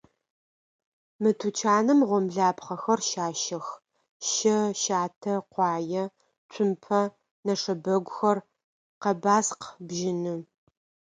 Мы тучаным гъомлапхъэхэр щащэх: щэ, щатэ, къуае, цумпэ, нэшэбэгухэр, къэбаскъ, бжьыны.